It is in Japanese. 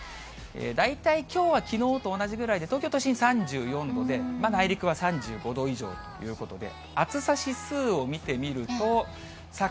大体きょうはきのうと同じぐらいで、東京都心３４度で、内陸は３５度以上ということで、暑さ指数を見てみると、さあ、